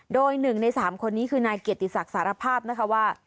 โดย๑ใน๓คนนี้คือนายเกียรติศักดิ์สารภาพนะคะว่า